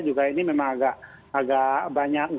juga ini memang agak